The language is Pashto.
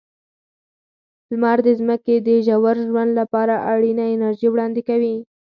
لمر د ځمکې د ژور ژوند لپاره اړینه انرژي وړاندې کوي.